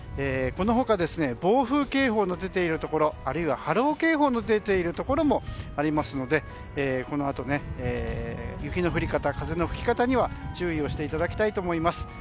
この他暴風警報の出ているところあるいは波浪警報の出ているところもありますのでこのあと雪の降り方、風の吹き方には注意をしていただきたいと思います。